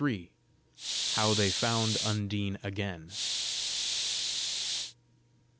HOW THEY FOUND UNDINE AGAIN.